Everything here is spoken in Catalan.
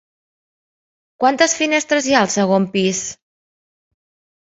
Quantes finestres hi ha al segon pis?